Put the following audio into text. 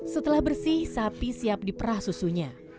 setelah bersih sapi siap diperah susunya